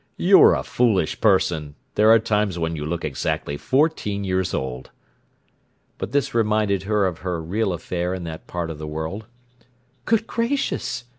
"You're a foolish person! There are times when you look exactly fourteen years old!" But this reminded her of her real affair in that part of the world. "Good gracious!"